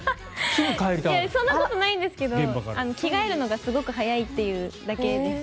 そんなことないんですけど着替えるのがすごく速いっていうだけです。